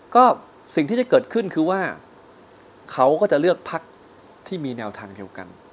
ก็สิ่งที่จะเกิดขึ้นคือว่าเขาก็จะเลือกพักที่มีแนวทางเดียวกัน